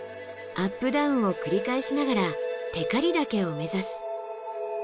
アップダウンを繰り返しながら光岳を目指す。